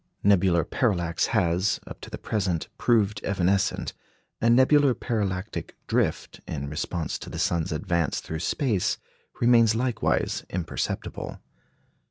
Nebular parallax has, up to the present, proved evanescent, and nebular parallactic drift, in response to the sun's advance through space, remains likewise imperceptible.